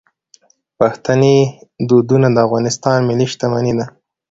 پښتني دودونه د افغانستان ملي شتمني ده.